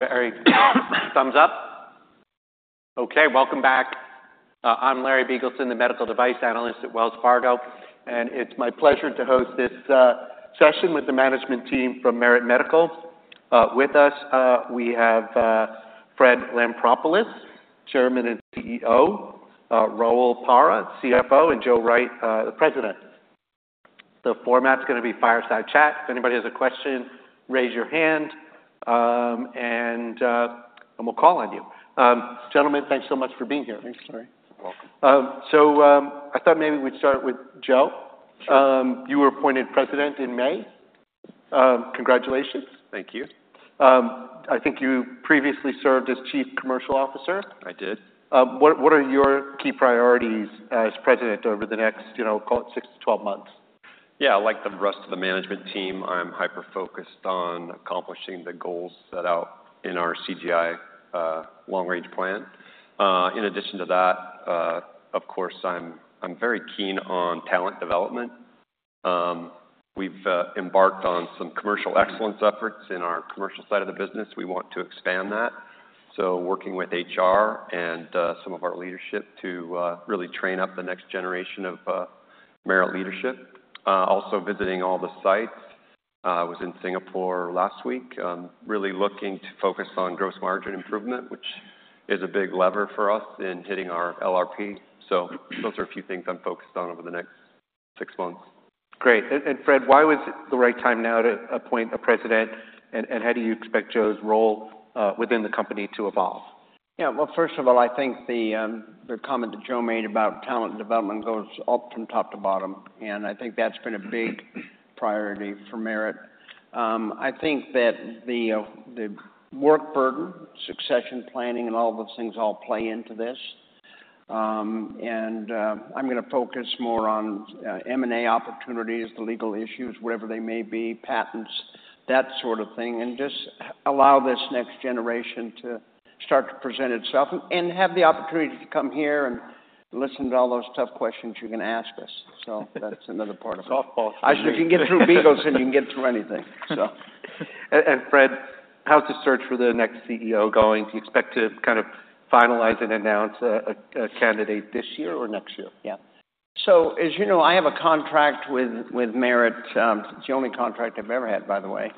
Very thumbs up. Okay, welcome back. I'm Larry Biegelsen, the medical device analyst at Wells Fargo, and it's my pleasure to host this session with the management team from Merit Medical. With us, we have Fred Lampropoulos, Chairman and CEO, Rahul Parakh, CFO, and Joe Wright, the President. The format's gonna be fireside chat. If anybody has a question, raise your hand, and we'll call on you. Gentlemen, thanks so much for being here. Thanks, Larry. You're welcome. I thought maybe we'd start with Joe. Sure. You were appointed president in May. Congratulations. Thank you. I think you previously served as chief commercial officer? I did. What are your key priorities as president over the next, you know, call it six to 12 months? Yeah, like the rest of the management team, I'm hyper-focused on accomplishing the goals set out in our CGI, long-range plan. In addition to that, of course, I'm very keen on talent development. We've embarked on some commercial excellence efforts in our commercial side of the business. We want to expand that, so working with HR and some of our leadership to really train up the next generation of Merit leadership. Also visiting all the sites. I was in Singapore last week. Really looking to focus on gross margin improvement, which is a big lever for us in hitting our LRP. So those are a few things I'm focused on over the next six months. Great. And Fred, why was the right time now to appoint a president, and how do you expect Joe's role within the company to evolve? Yeah. Well, first of all, I think the comment that Joe made about talent development goes all from top to bottom, and I think that's been a big priority for Merit. I think that the work burden, succession planning, and all of those things all play into this. And I'm gonna focus more on M&A opportunities, the legal issues, whatever they may be, patents, that sort of thing, and just allow this next generation to start to present itself and have the opportunity to come here and listen to all those tough questions you're gonna ask us. So that's another part of it. Softball. If you can get through Biegelsen, you can get through anything, so. And, Fred, how's the search for the next CEO going? Do you expect to kind of finalize and announce a candidate this year or next year? Yeah. So, as you know, I have a contract with Merit. It's the only contract I've ever had, by the way,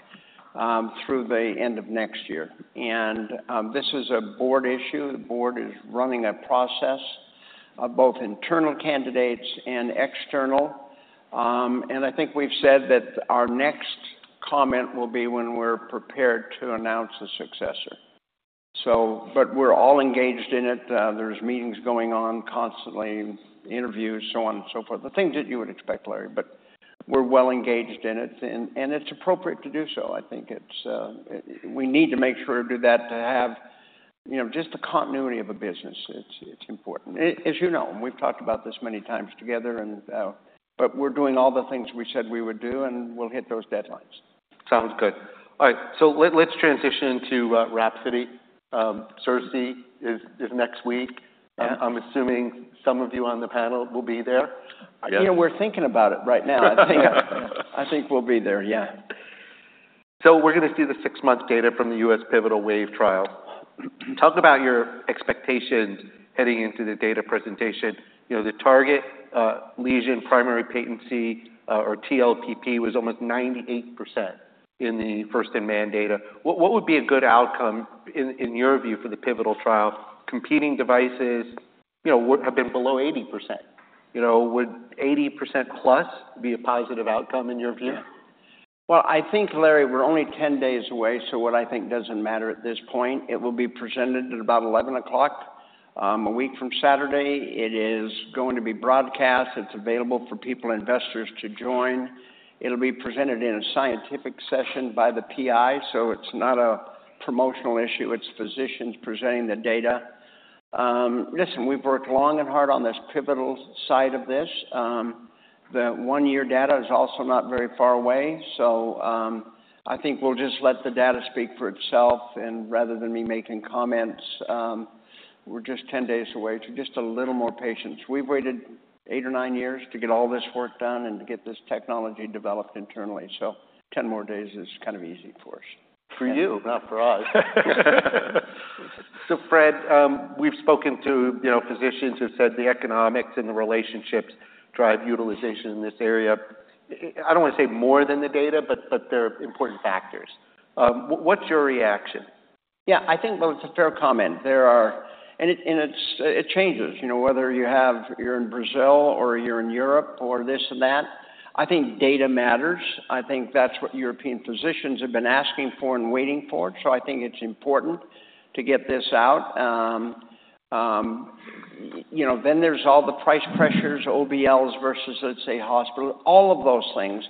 through the end of next year. And this is a board issue. The board is running a process of both internal candidates and external. And I think we've said that our next comment will be when we're prepared to announce a successor. So, but we're all engaged in it. There's meetings going on constantly, interviews, so on and so forth. The things that you would expect, Larry, but we're well engaged in it, and it's appropriate to do so. I think it's... We need to make sure to do that, to have, you know, just the continuity of a business. It's important. As you know, we've talked about this many times together, and but we're doing all the things we said we would do, and we'll hit those deadlines. Sounds good. All right, so let's transition to Wrapsody. CIRSE is next week. Yeah. I'm assuming some of you on the panel will be there? Yes. You know, we're thinking about it right now. I think, I think we'll be there, yeah. We're gonna see the six-month data from the U.S. Pivotal WAVE trial. Talk about your expectations heading into the data presentation. You know, the Target Lesion Primary Patency, or TLPP, was almost 98% in the first-in-man data. What would be a good outcome, in your view, for the pivotal trial? Competing devices, you know, have been below 80%. You know, would 80% plus be a positive outcome in your view? Yeah. Well, I think, Larry, we're only ten days away, so what I think doesn't matter at this point. It will be presented at about 11:00 A.M., a week from Saturday. It is going to be broadcast. It's available for people and investors to join. It'll be presented in a scientific session by the PI, so it's not a promotional issue. It's physicians presenting the data. Listen, we've worked long and hard on this pivotal side of this. The one-year data is also not very far away, so I think we'll just let the data speak for itself, and rather than me making comments, we're just ten days away, so just a little more patience. We've waited eight or nine years to get all this work done and to get this technology developed internally, so ten more days is kind of easy for us. For you. Not for us. Fred, we've spoken to, you know, physicians who said the economics and the relationships drive utilization in this area. I don't wanna say more than the data, but they're important factors. What's your reaction? Yeah, I think, well, it's a fair comment. It changes, you know, whether you're in Brazil or you're in Europe or this and that. I think data matters. I think that's what European physicians have been asking for and waiting for, so I think it's important to get this out. You know, then there's all the price pressures, OBLs versus, let's say, hospital, all of those things.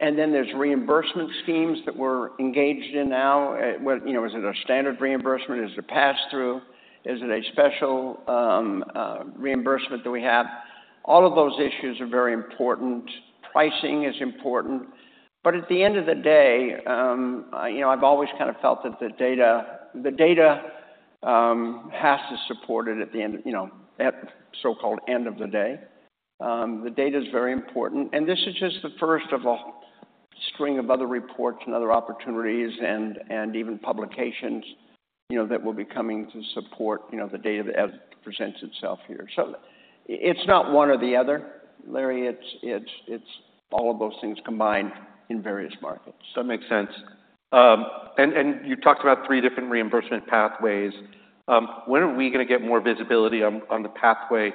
And then there's reimbursement schemes that we're engaged in now. Whether, you know, is it a standard reimbursement? Is it pass-through? Is it a special reimbursement that we have? All of those issues are very important. Pricing is important, but at the end of the day, you know, I've always kind of felt that the data... has to support it at the end, you know, at so-called end of the day. The data is very important, and this is just the first of a string of other reports and other opportunities and, and even publications, you know, that will be coming to support, you know, the data as it presents itself here. So it's not one or the other, Larry. It's, it's, it's all of those things combined in various markets. That makes sense, and you talked about three different reimbursement pathways. When are we gonna get more visibility on the pathway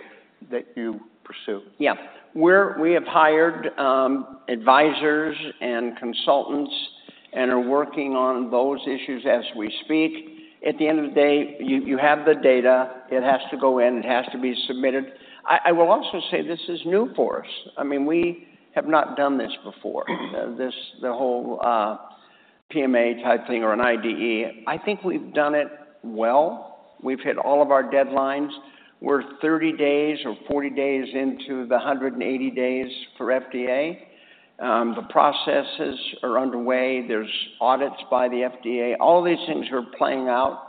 that you pursue? Yeah. We have hired advisors and consultants and are working on those issues as we speak. At the end of the day, you have the data. It has to go in. It has to be submitted. I will also say this is new for us. I mean, we have not done this before, this, the whole PMA-type thing or an IDE. I think we've done it well. We've hit all of our deadlines. We're 30 days or 40 days into the 180 days for FDA. The processes are underway. There's audits by the FDA. All these things are playing out,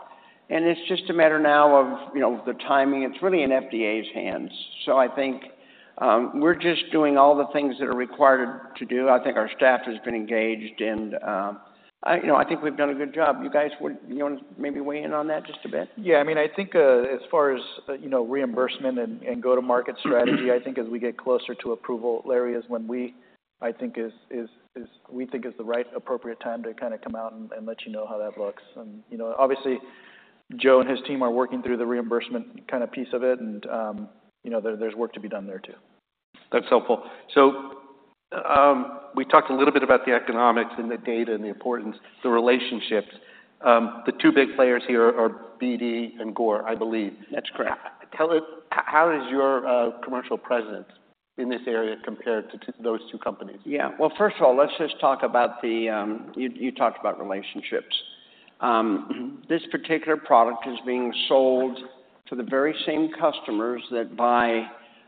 and it's just a matter now of, you know, the timing. It's really in FDA's hands. So I think we're just doing all the things that are required to do. I think our staff has been engaged in... I, you know, I think we've done a good job. You guys, would you want to maybe weigh in on that just a bit? Yeah. I mean, I think, as far as, you know, reimbursement and go-to-market strategy, I think as we get closer to approval, Larry, is when we, I think is we think is the right appropriate time to kind of come out and let you know how that looks. And, you know, obviously, Joe and his team are working through the reimbursement kind of piece of it, and, you know, there, there's work to be done there, too. That's helpful. So, we talked a little bit about the economics and the data and the importance, the relationships. The two big players here are BD and Gore, I believe. That's correct. Tell us, how is your commercial presence in this area compared to those two companies? Yeah. Well, first of all, let's just talk about the. You talked about relationships. This particular product is being sold to the very same customers that buy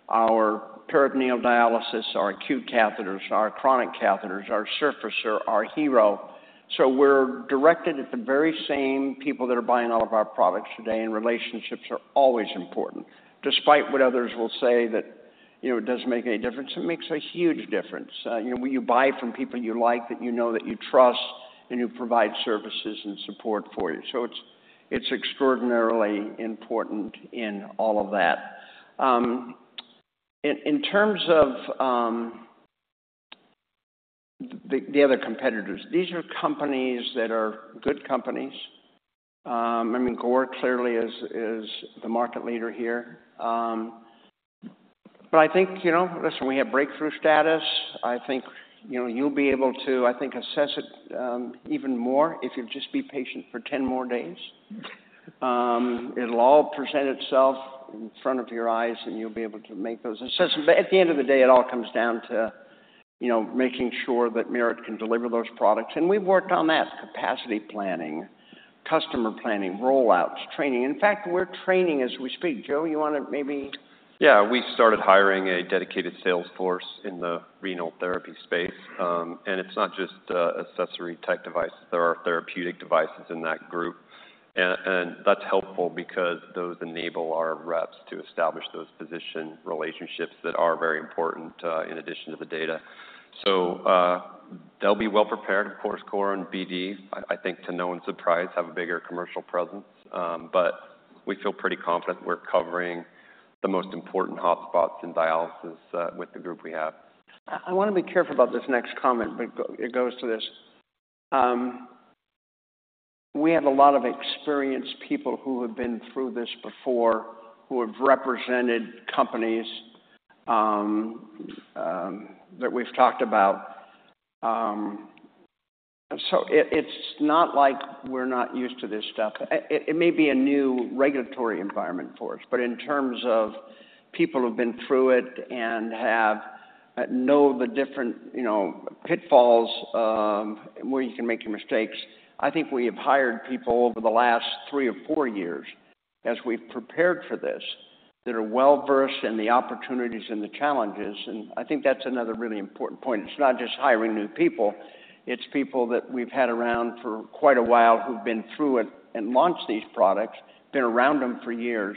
our peritoneal dialysis, our acute catheters, our chronic catheters, our Surfacer, our HeRO. So we're directed at the very same people that are buying all of our products today, and relationships are always important. Despite what others will say, that, you know, it doesn't make any difference, it makes a huge difference. You know, when you buy from people you like, that you know, that you trust, and who provide services and support for you. So it's extraordinarily important in all of that. In terms of the other competitors, these are companies that are good companies. I mean, Gore clearly is the market leader here. But I think, you know, listen, we have breakthrough status. I think, you know, you'll be able to, I think, assess it, even more if you'll just be patient for ten more days. It'll all present itself in front of your eyes, and you'll be able to make those assessments. But at the end of the day, it all comes down to, you know, making sure that Merit can deliver those products, and we've worked on that: capacity planning, customer planning, rollouts, training. In fact, we're training as we speak. Joe, you wanna maybe- Yeah. We started hiring a dedicated sales force in the renal therapy space. And it's not just accessory-type devices. There are therapeutic devices in that group, and that's helpful because those enable our reps to establish those physician relationships that are very important in addition to the data. So, they'll be well prepared. Of course, Gore and BD, I think, to no one's surprise, have a bigger commercial presence. But we feel pretty confident we're covering the most important hotspots in dialysis with the group we have. I wanna be careful about this next comment, but it goes to this. We have a lot of experienced people who have been through this before, who have represented companies that we've talked about. So it's not like we're not used to this stuff. It may be a new regulatory environment for us, but in terms of people who've been through it and have know the different, you know, pitfalls, where you can make your mistakes. I think we have hired people over the last three or four years as we've prepared for this, that are well-versed in the opportunities and the challenges, and I think that's another really important point. It's not just hiring new people. It's people that we've had around for quite a while who've been through and launched these products, been around them for years.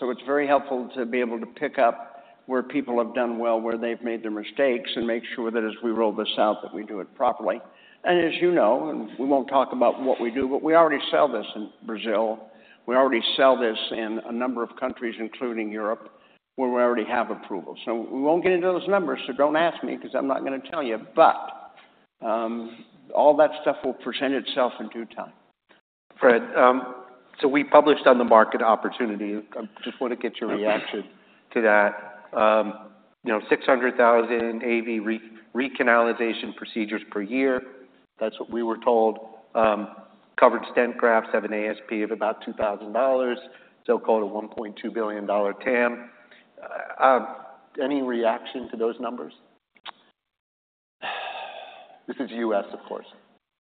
So it's very helpful to be able to pick up where people have done well, where they've made their mistakes, and make sure that as we roll this out, that we do it properly. As you know, and we won't talk about what we do, but we already sell this in Brazil. We already sell this in a number of countries, including Europe, where we already have approval. We won't get into those numbers, so don't ask me, 'cause I'm not gonna tell you. All that stuff will present itself in due time. Fred, so we published on the market opportunity. I just want to get your reaction to that. You know, six hundred thousand AV recanalization procedures per year. That's what we were told. Covered stent grafts have an ASP of about $2,000, so called a $1.2 billion TAM. Any reaction to those numbers? This is U.S., of course.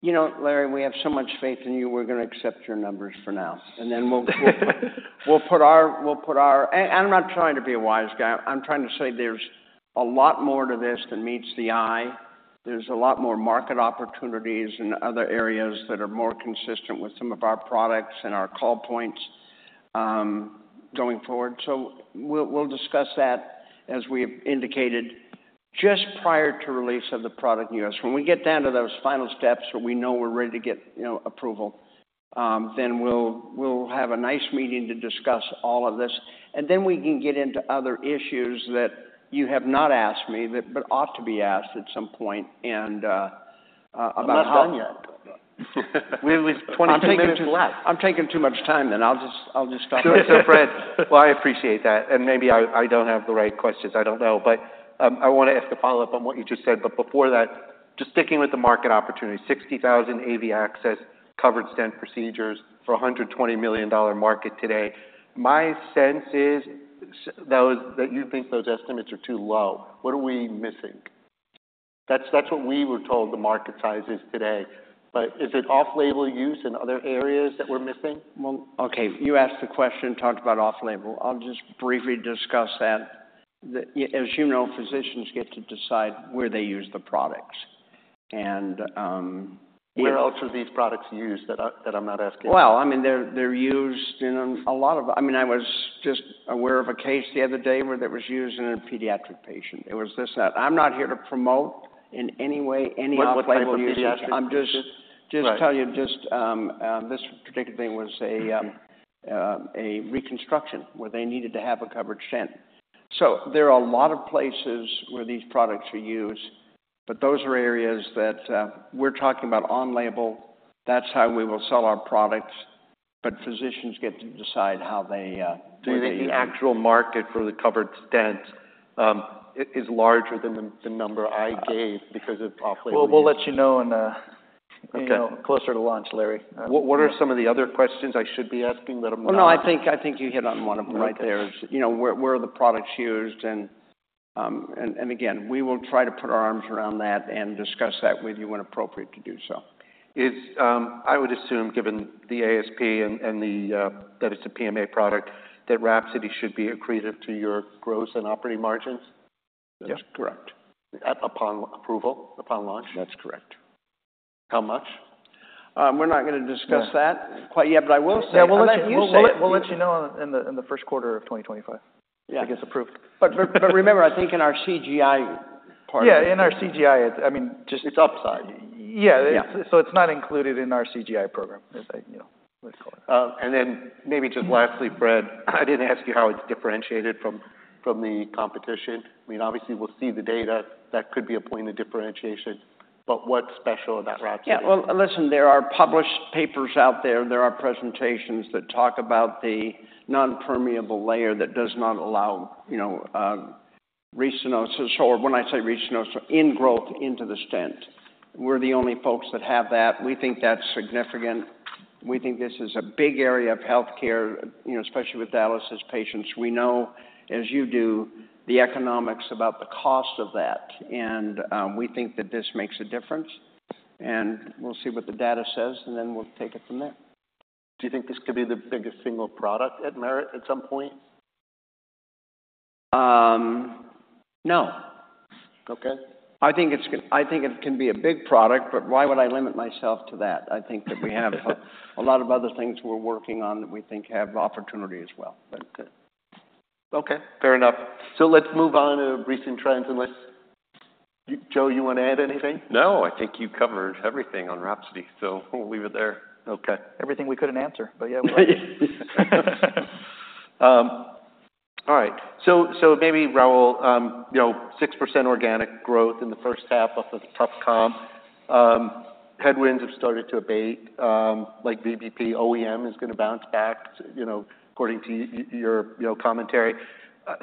You know, Larry, we have so much faith in you, we're gonna accept your numbers for now. And then we'll put our... I'm not trying to be a wise guy. I'm trying to say there's a lot more to this than meets the eye... there's a lot more market opportunities in other areas that are more consistent with some of our products and our call points, going forward. So we'll discuss that, as we indicated, just prior to release of the product in the U.S. When we get down to those final steps where we know we're ready to get, you know, approval, then we'll have a nice meeting to discuss all of this. And then we can get into other issues that you have not asked me, but ought to be asked at some point, and about how- I'm not done yet. We have 22 minutes left. I'm taking too much time, then I'll just, I'll just stop. Sure, Fred. Well, I appreciate that, and maybe I don't have the right questions. I don't know. But I wanna ask a follow-up on what you just said. But before that, just sticking with the market opportunity, 60,000 AV access covered stent procedures for a $120 million market today. My sense is that you think those estimates are too low. What are we missing? That's what we were told the market size is today. But is it off-label use in other areas that we're missing? Okay, you asked the question, talked about off-label. I'll just briefly discuss that. As you know, physicians get to decide where they use the products. And, if- Where else are these products used that I'm not asking? I mean, they're used in a lot of... I mean, I was just aware of a case the other day where that was used in a pediatric patient. It was this, that. I'm not here to promote in any way any off-label use. What type of pediatric? I'm just- Right... just tell you this particular thing was a reconstruction where they needed to have a covered stent. So there are a lot of places where these products are used, but those are areas that we're talking about on label. That's how we will sell our products, but physicians get to decide how they where they- Is the actual market for the covered stents larger than the number I gave because of off-label? We'll let you know in the- Okay... you know, closer to launch, Larry. What are some of the other questions I should be asking that I'm not? No, I think, I think you hit on one of them right there. Okay. You know, where are the products used? And again, we will try to put our arms around that and discuss that with you when appropriate to do so. It's, I would assume, given the ASP and the, that it's a PMA product, that Rhapsody should be accretive to your gross and operating margins? That's correct. Upon approval, upon launch? That's correct. How much? We're not gonna discuss that. Yeah... quite yet, but I will say- Yeah, we'll let you say it. We'll let you know in the first quarter of 2025. Yeah. It gets approved. But remember, I think in our CGI part- Yeah, in our CGI, I mean, just- It's upside. Yeah. Yeah. So it's not included in our CGI program, as I, you know, let's call it. And then maybe just lastly, Fred, I didn't ask you how it's differentiated from the competition. I mean, obviously, we'll see the data. That could be a point of differentiation, but what's special about Rhapsody? Yeah. Well, listen, there are published papers out there, there are presentations that talk about the non-permeable layer that does not allow, you know, restenosis, or when I say restenosis, ingrowth into the stent. We're the only folks that have that. We think that's significant. We think this is a big area of healthcare, you know, especially with dialysis patients. We know, as you do, the economics about the cost of that, and we think that this makes a difference, and we'll see what the data says, and then we'll take it from there. Do you think this could be the biggest single product at Merit at some point? Um, no. Okay. I think it can be a big product, but why would I limit myself to that? I think that we have a lot of other things we're working on that we think have opportunity as well, but... Okay. Fair enough. So let's move on to recent trends unless... Joe, you want to add anything? No, I think you covered everything on Rhapsody, so we'll leave it there. Okay. Everything we couldn't answer, but yeah, right. All right. So, so maybe, Raul, you know, 6% organic growth in the first half of the tough comp. Headwinds have started to abate, like VBP, OEM is gonna bounce back, you know, according to your commentary.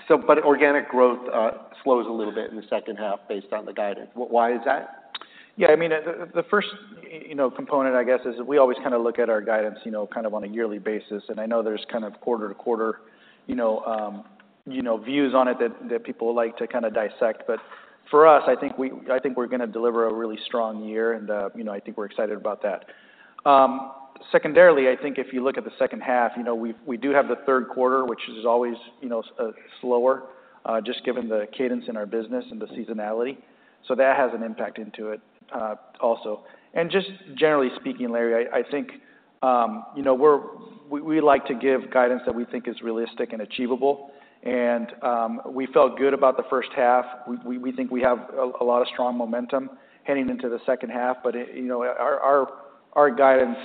So but organic growth slows a little bit in the second half based on the guidance. Why is that? Yeah, I mean, the first, you know, component, I guess, is we always kind of look at our guidance, you know, kind of on a yearly basis, and I know there's kind of quarter to quarter, you know, views on it that people like to kind of dissect. But for us, I think I think we're gonna deliver a really strong year, and, you know, I think we're excited about that. Secondarily, I think if you look at the second half, you know, we do have the third quarter, which is always, you know, slower, just given the cadence in our business and the seasonality. So that has an impact into it, also. And just generally speaking, Larry, I think, you know, we like to give guidance that we think is realistic and achievable, and, we felt good about the first half. We think we have a lot of strong momentum heading into the second half, but, you know, our guidance,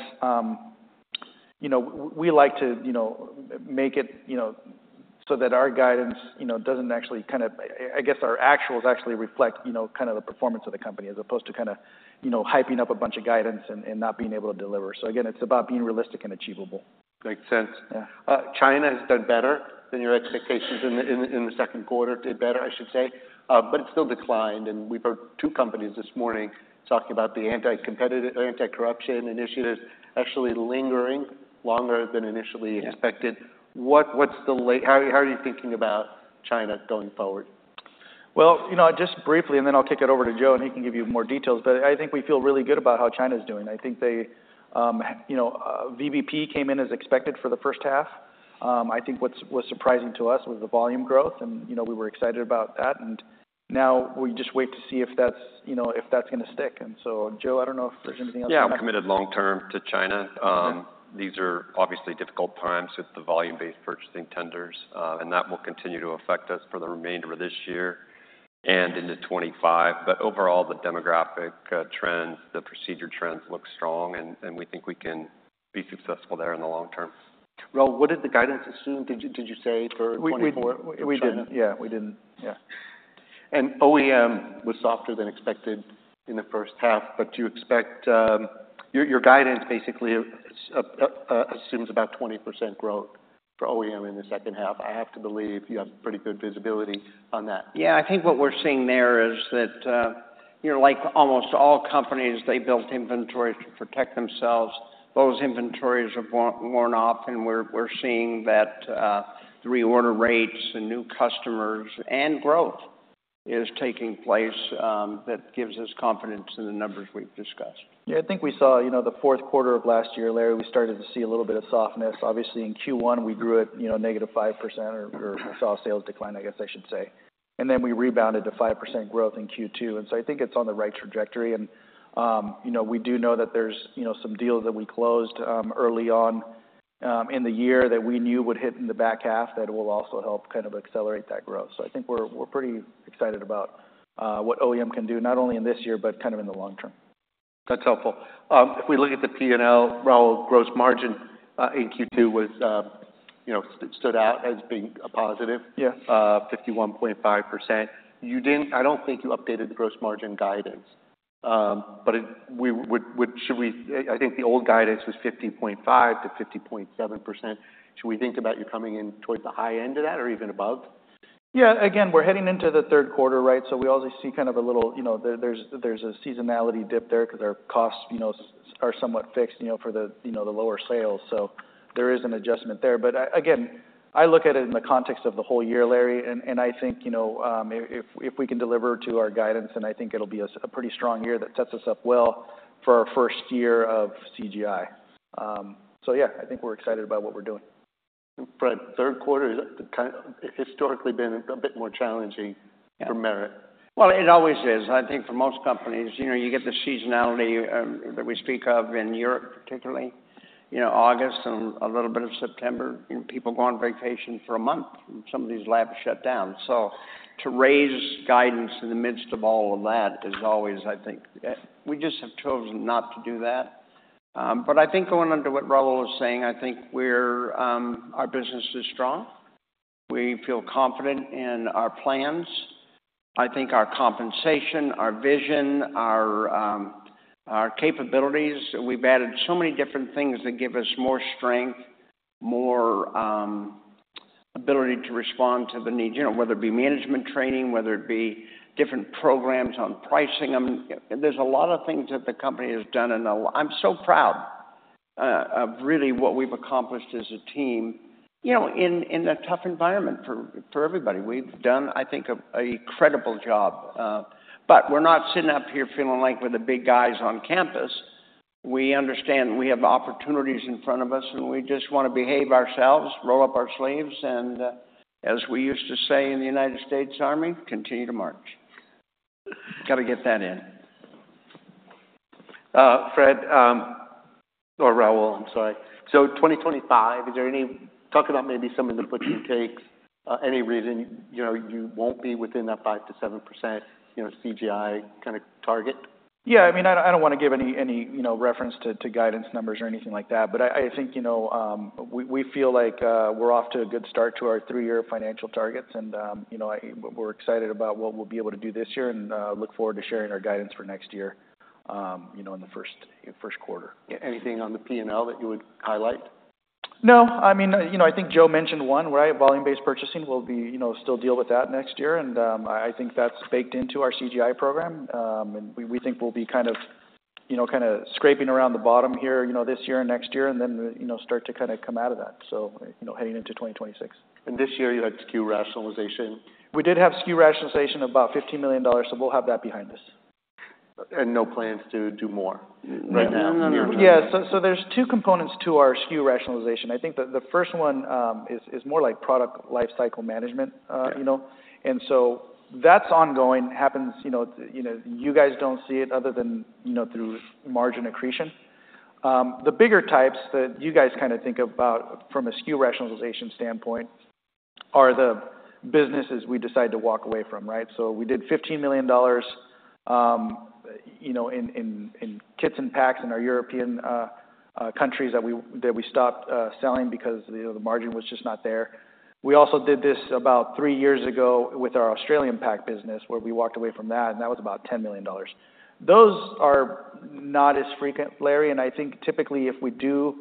you know, we like to, you know, make it, you know, so that our guidance, you know, doesn't actually kind of... I guess our actuals actually reflect, you know, kind of the performance of the company, as opposed to kind of, you know, hyping up a bunch of guidance and not being able to deliver. So again, it's about being realistic and achievable. Makes sense. Yeah. China has done better than your expectations in the second quarter. Did better, I should say, but it still declined, and we've heard two companies this morning talking about the anti-competitive or anti-corruption initiatives actually lingering longer than initially expected. Yeah. How are you thinking about China going forward?... Well, you know, just briefly, and then I'll kick it over to Joe, and he can give you more details. But I think we feel really good about how China's doing. I think they, you know, VBP came in as expected for the first half. I think what was surprising to us was the volume growth, and, you know, we were excited about that, and now we just wait to see if that's, you know, if that's gonna stick. And so, Joe, I don't know if there's anything else- Yeah, we're committed long term to China. These are obviously difficult times with the volume-based purchasing tenders, and that will continue to affect us for the remainder of this year and into 2025. But overall, the demographic trends, the procedure trends look strong, and we think we can be successful there in the long term. Raul, what did the guidance assume, did you, did you say, for twenty-four- We didn't. -China? Yeah, we didn't. Yeah. OEM was softer than expected in the first half, but do you expect your guidance basically assumes about 20% growth for OEM in the second half? I have to believe you have pretty good visibility on that. Yeah, I think what we're seeing there is that, you know, like almost all companies, they built inventories to protect themselves. Those inventories have worn off, and we're seeing that, the reorder rates and new customers and growth is taking place, that gives us confidence in the numbers we've discussed. Yeah, I think we saw, you know, the fourth quarter of last year, Larry, we started to see a little bit of softness. Obviously, in Q1, we grew at, you know, negative 5% or saw sales decline, I guess I should say, and then we rebounded to 5% growth in Q2, and so I think it's on the right trajectory. And, you know, we do know that there's, you know, some deals that we closed, early on, in the year that we knew would hit in the back half that will also help kind of accelerate that growth. So I think we're pretty excited about what OEM can do, not only in this year, but kind of in the long term. That's helpful. If we look at the PNL, Raul, gross margin in Q2 was, you know, stood out as being a positive. Yes. 51.5%. You didn't, I don't think you updated the gross margin guidance, but it, I think the old guidance was 50.5%-50.7%. Should we think about you coming in towards the high end of that or even above? Yeah, again, we're heading into the third quarter, right? So we always see kind of a little, you know, there's a seasonality dip there because our costs, you know, are somewhat fixed, you know, for the lower sales. So there is an adjustment there. But again, I look at it in the context of the whole year, Larry, and I think, you know, if we can deliver to our guidance, then I think it'll be a pretty strong year that sets us up well for our first year of CGI. So yeah, I think we're excited about what we're doing. Fred, third quarter is kind of historically been a bit more challenging. Yeah -for Merit. It always is. I think for most companies, you know, you get the seasonality that we speak of in Europe, particularly, you know, August and a little bit of September, and people go on vacation for a month, and some of these labs shut down, so to raise guidance in the midst of all of that is always, I think. We just have chosen not to do that, but I think going on to what Rahul was saying, I think we're, our business is strong. We feel confident in our plans. I think our compensation, our vision, our capabilities, we've added so many different things that give us more strength, more ability to respond to the needs, you know, whether it be management training, whether it be different programs on pricing, there's a lot of things that the company has done, and a lot. I'm so proud of really what we've accomplished as a team, you know, in a tough environment for everybody. We've done, I think, an incredible job, but we're not sitting up here feeling like we're the big guys on campus. We understand we have opportunities in front of us, and we just wanna behave ourselves, roll up our sleeves, and, as we used to say in the United States Army, "Continue to march." Gotta get that in. Fred, or Raul, I'm sorry. So twenty twenty-five, is there any... Talk about maybe some of the puts and takes, any reason, you know, you won't be within that 5%-7%, you know, CGI kind of target? Yeah, I mean, I don't wanna give any, you know, reference to guidance numbers or anything like that. But I think, you know, we feel like we're off to a good start to our three-year financial targets, and, you know, we're excited about what we'll be able to do this year and look forward to sharing our guidance for next year, you know, in the first quarter. Yeah, anything on the P&L that you would highlight? No, I mean, you know, I think Joe mentioned one, right? Volume-based purchasing. We'll be, you know, still deal with that next year, and I think that's baked into our CGI program, and we think we'll be kind of, you know, kind of scraping around the bottom here, you know, this year and next year, and then, you know, start to kind of come out of that, so, you know, heading into 2026. This year, you had SKU rationalization. We did have SKU rationalization, about $15 million, so we'll have that behind us. No plans to do more right now? No, no, no. Yeah, so there's two components to our SKU rationalization. I think the first one is more like product lifecycle management, you know? Yeah. So that's ongoing, happens, you know, you guys don't see it other than, you know, through margin accretion. The bigger types that you guys kind of think about from a SKU rationalization standpoint are the businesses we decide to walk away from, right? So we did $15 million in kits and packs in our European countries that we stopped selling because, you know, the margin was just not there. We also did this about three years ago with our Australian pack business, where we walked away from that, and that was about $10 million. Those are not as frequent, Larry, and I think typically, if we do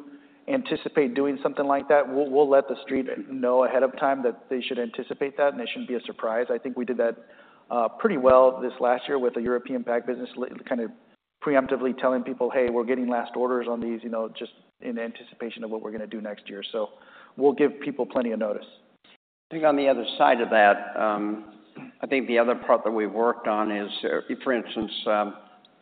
anticipate doing something like that, we'll let the street know ahead of time that they should anticipate that, and it shouldn't be a surprise. I think we did that pretty well this last year with the European pack business kind of preemptively telling people, "Hey, we're getting last orders on these," you know, just in anticipation of what we're gonna do next year. So we'll give people plenty of notice. I think on the other side of that, I think the other part that we've worked on is, for instance,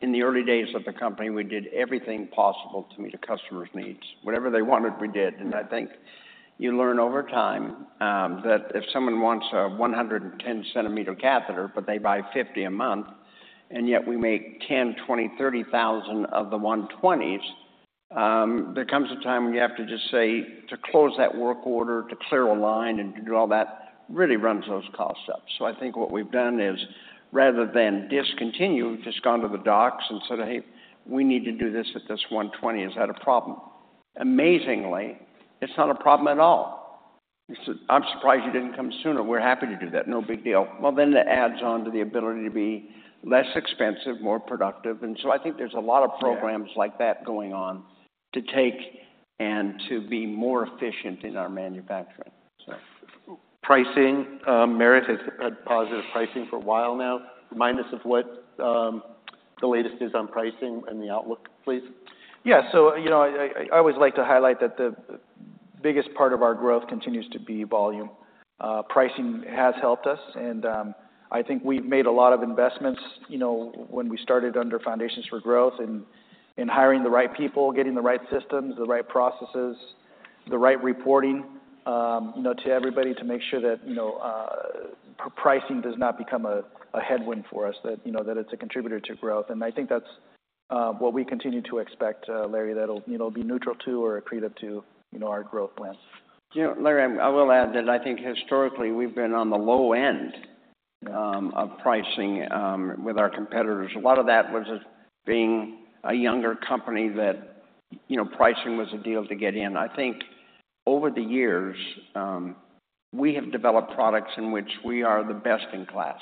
in the early days of the company, we did everything possible to meet a customer's needs. Whatever they wanted, we did, and I think you learn over time, that if someone wants a 110-cm catheter, but they buy 50 a month, and yet we make 10, 20, 30 thousand of the 120s, there comes a time when you have to just say, to close that work order, to clear a line and to do all that, really runs those costs up, so I think what we've done is, rather than discontinue, we've just gone to the docs and said, "Hey, we need to do this at this 120. Is that a problem?" Amazingly, it's not a problem at all. They said, "I'm surprised you didn't come sooner. We're happy to do that. No big deal." Well, then it adds on to the ability to be less expensive, more productive, and so I think there's a lot of programs. Yeah like that going on to take and to be more efficient in our manufacturing. Pricing, Merit has had positive pricing for a while now. Remind us of what, the latest is on pricing and the outlook, please. Yeah. So, you know, I always like to highlight that the biggest part of our growth continues to be volume. Pricing has helped us, and, I think we've made a lot of investments, you know, when we started under Foundations for Growth, in hiring the right people, getting the right systems, the right processes, the right reporting, you know, to everybody, to make sure that, you know, pricing does not become a headwind for us. That, you know, that it's a contributor to growth. And I think that's, what we continue to expect, Larry, that'll, you know, be neutral to or accretive to, you know, our growth plans. You know, Larry, I will add that I think historically we've been on the low end of pricing with our competitors. A lot of that was just being a younger company that, you know, pricing was a deal to get in. I think over the years we have developed products in which we are the best-in-class.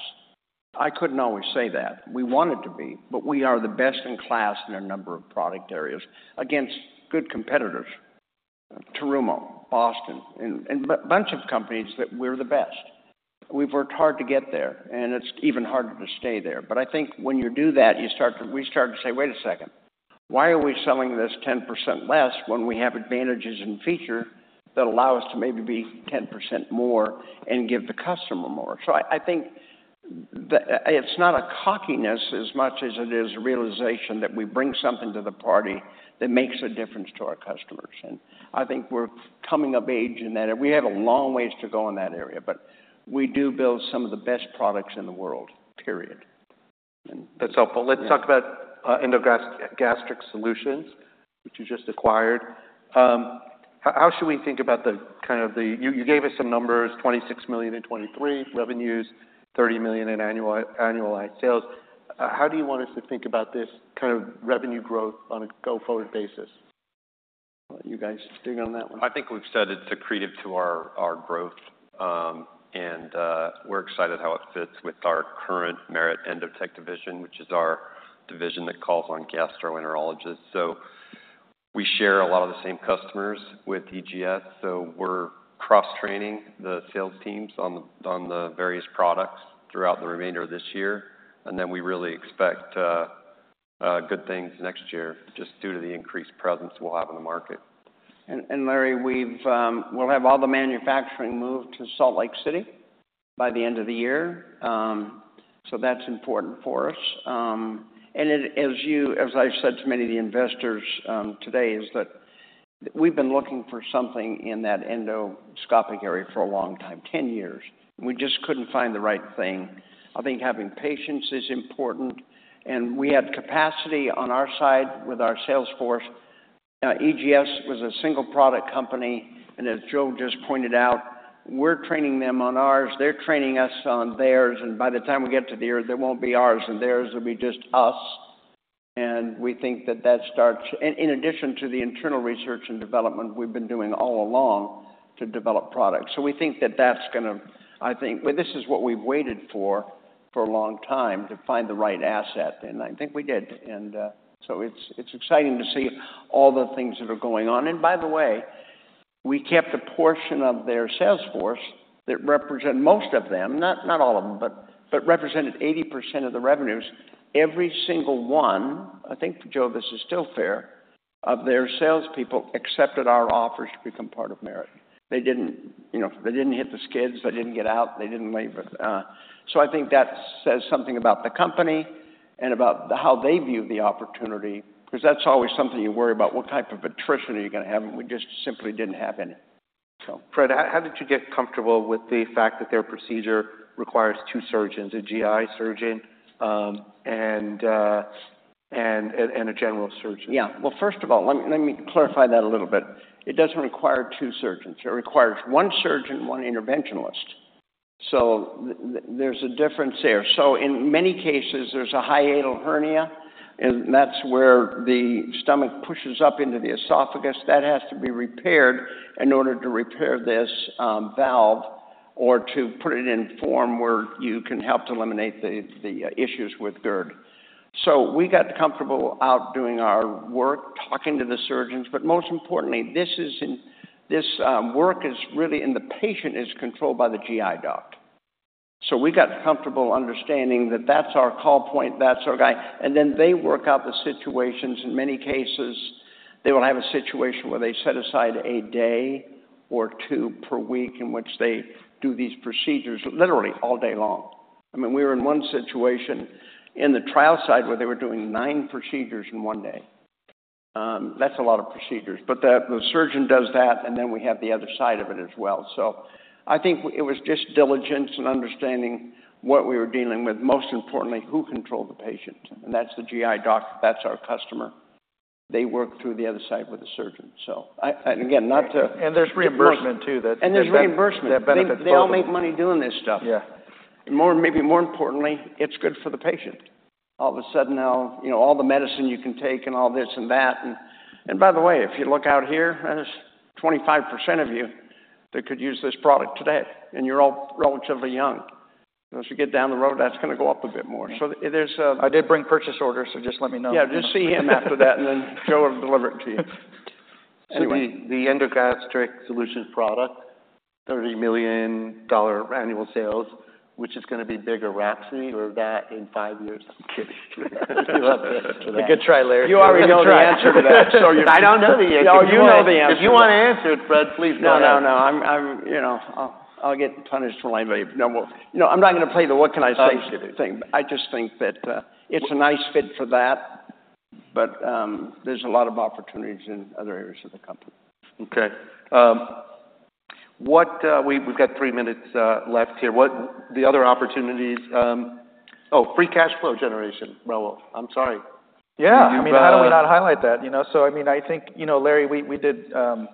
I couldn't always say that. We wanted to be, but we are the best-in-class in a number of product areas against good competitors, Terumo, Boston, and a bunch of companies that we're the best. We've worked hard to get there, and it's even harder to stay there, but I think when you do that, you start to... We start to say, "Wait a second, why are we selling this 10% less when we have advantages in feature that allow us to maybe be 10% more and give the customer more?" So I, I think that it's not a cockiness as much as it is a realization that we bring something to the party that makes a difference to our customers, and I think we're coming of age in that. We have a long ways to go in that area, but we do build some of the best products in the world, period. That's helpful. Yeah. Let's talk about EndoGastric Solutions, which you just acquired. How should we think about the kind of... You gave us some numbers, $26 million in 2023 revenues, $30 million in annualized sales. How do you want us to think about this kind of revenue growth on a go-forward basis? You guys dig in on that one. I think we've said it's accretive to our growth, and we're excited how it fits with our current Merit Endotek division, which is our division that calls on gastroenterologists. So we share a lot of the same customers with EGS, so we're cross-training the sales teams on the various products throughout the remainder of this year. And then we really expect good things next year, just due to the increased presence we'll have in the market. Larry, we've we'll have all the manufacturing moved to Salt Lake City by the end of the year. So that's important for us. As I've said to many of the investors today, is that we've been looking for something in that endoscopic area for a long time, ten years, and we just couldn't find the right thing. I think having patience is important, and we had capacity on our side with our sales force. EGS was a single-product company, and as Joe just pointed out, we're training them on ours, they're training us on theirs, and by the time we get to the end, there won't be ours and theirs, it'll be just us. And we think that starts. In addition to the internal research and development we've been doing all along to develop products. So we think that that's gonna. I think. Well, this is what we've waited for, for a long time, to find the right asset, and I think we did. And so it's exciting to see all the things that are going on. And by the way, we kept a portion of their sales force that represent most of them, not all of them, but represented 80% of the revenues. Every single one, I think, Joe, this is still fair, of their salespeople accepted our offer to become part of Merit. They didn't, you know, they didn't hit the skids, they didn't get out, they didn't leave. So I think that says something about the company and about how they view the opportunity, because that's always something you worry about, what type of attrition are you gonna have? And we just simply didn't have any. So... Fred, how did you get comfortable with the fact that their procedure requires two surgeons, a GI surgeon, and a general surgeon? Yeah. Well, first of all, let me clarify that a little bit. It doesn't require two surgeons. It requires one surgeon, one interventionalist. So there's a difference there. So in many cases, there's a hiatal hernia, and that's where the stomach pushes up into the esophagus. That has to be repaired in order to repair this valve or to put it in form where you can help to eliminate the issues with GERD. So we got comfortable out doing our work, talking to the surgeons, but most importantly, this work is really in the patient, is controlled by the GI doc. So we got comfortable understanding that that's our call point, that's our guy, and then they work out the situations. In many cases, they will have a situation where they set aside a day or two per week in which they do these procedures literally all day long. I mean, we were in one situation in the trial side where they were doing nine procedures in one day. That's a lot of procedures, but the surgeon does that, and then we have the other side of it as well. So I think it was just diligence and understanding what we were dealing with, most importantly, who controlled the patient, and that's the GI doc, that's our customer. They work through the other side with the surgeon. So I, and again, not to- And there's reimbursement, too, that- And there's reimbursement. That benefits both. They all make money doing this stuff. Yeah. More, maybe more importantly, it's good for the patient. All of a sudden, now, you know, all the medicine you can take and all this and that, and, and by the way, if you look out here, there's 25% of you that could use this product today, and you're all relatively young. As you get down the road, that's gonna go up a bit more. So there's, I did bring purchase orders, so just let me know. Yeah, just see him after that, and then Joe will deliver it to you. Anyway- The EndoGastric Solutions product, $30 million annual sales, which is gonna be bigger, Rhapsody or that in five years? I'm kidding. Good try, Larry. You already know the answer to that, so you- I don't know the answer. You know the answer. If you wanna answer it, Fred, please go ahead. No, no, no. You know, I'll get punished for anybody... No, well, you know, I'm not gonna play the what can I say thing. Okay. But I just think that it's a nice fit for that, but there's a lot of opportunities in other areas of the company. Okay, we've got three minutes left here. What the other opportunities. Oh, free cash flow generation, Raul, I'm sorry. Yeah. Uh- I mean, how do we not highlight that, you know? So, I mean, I think, you know, Larry, we did $58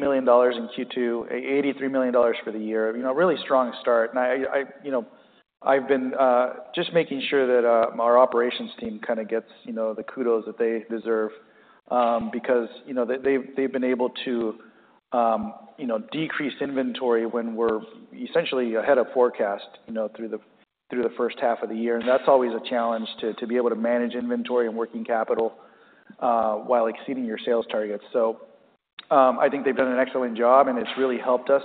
million in Q2, $83 million for the year. You know, really strong start, and I, you know, I've been just making sure that our operations team kind of gets, you know, the kudos that they deserve, because, you know, they've been able to decrease inventory when we're essentially ahead of forecast, you know, through the first half of the year. And that's always a challenge, to be able to manage inventory and working capital while exceeding your sales targets. So, I think they've done an excellent job, and it's really helped us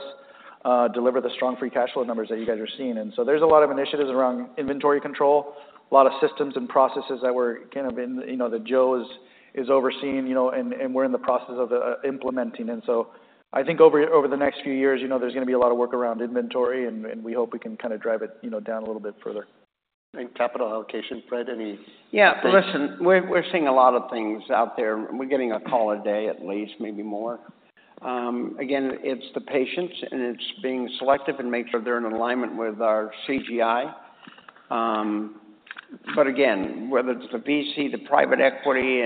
deliver the strong free cash flow numbers that you guys are seeing. And so there's a lot of initiatives around inventory control, a lot of systems and processes that we're kind of in, you know, that Joe is overseeing, you know, and we're in the process of implementing. And so I think over the next few years, you know, there's gonna be a lot of work around inventory, and we hope we can kinda drive it, you know, down a little bit further. And capital allocation. Fred, any- Yeah. Listen, we're seeing a lot of things out there. We're getting a call a day, at least, maybe more. Again, it's the patients, and it's being selective and make sure they're in alignment with our CGI. But again, whether it's the VC, the private equity,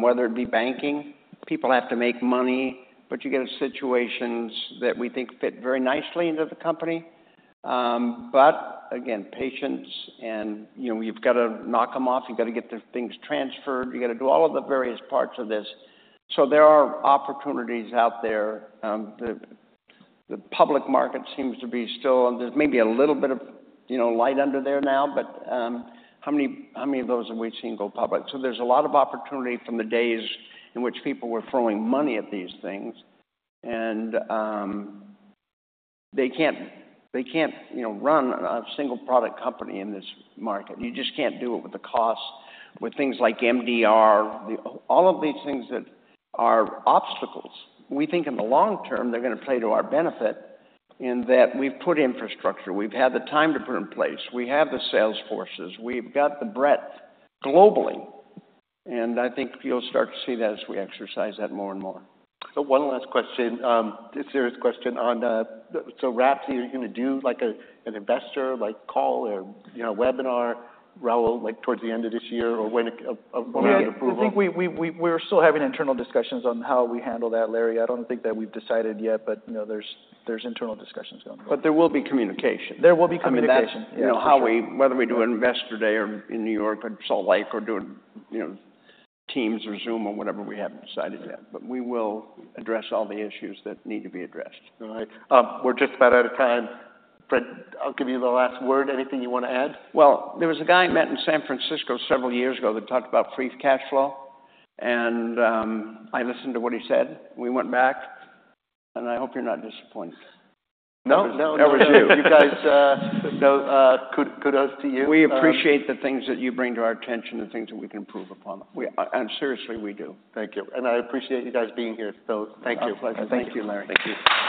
whether it be banking, people have to make money, but you get situations that we think fit very nicely into the company. But again, patients and, you know, you've got to knock them off, you've got to get the things transferred, you got to do all of the various parts of this. So there are opportunities out there. The public market seems to be still. There's maybe a little bit of, you know, light under there now, but how many of those have we seen go public? So there's a lot of opportunity from the days in which people were throwing money at these things, and they can't, you know, run a single product company in this market. You just can't do it with the costs, with things like MDR. All of these things that are obstacles, we think in the long term, they're gonna play to our benefit in that we've put infrastructure, we've had the time to put in place, we have the sales forces, we've got the breadth globally, and I think you'll start to see that as we exercise that more and more. So one last question, a serious question on so Rhapsody, are you gonna do, like, a, an investor, like, call or, you know, a webinar, Raul, like, towards the end of this year, or when it, of approval? I think we're still having internal discussions on how we handle that, Larry. I don't think that we've decided yet, but, you know, there's internal discussions going on. But there will be communication. There will be communication. I mean, that's- Yeah. You know how we, whether we do Investor Day or in New York, or Salt Lake, or do it, you know, Teams or Zoom or whatever, we haven't decided yet, but we will address all the issues that need to be addressed. All right. We're just about out of time. Fred, I'll give you the last word. Anything you want to add? There was a guy I met in San Francisco several years ago that talked about free cash flow, and I listened to what he said. We went back, and I hope you're not disappointed. No, that was you. You guys, Kudos, kudos to you. We appreciate the things that you bring to our attention, the things that we can improve upon. We, and seriously, we do. Thank you, and I appreciate you guys being here, so- Thank you. Our pleasure. Thank you, Larry. Thank you.